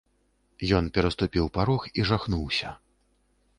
Ён пераступiў парог i зжахнуўся...